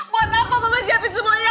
buat apa bapak siapin semuanya